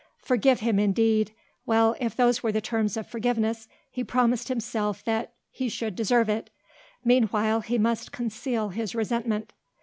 Forgive him indeed; well, if those were the terms of forgiveness, he promised himself that he should deserve it. Meanwhile he must conceal his resentment.